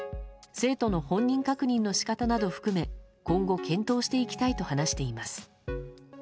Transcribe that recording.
生徒の本人確認の仕方など含め今後検討していきたいと話しています。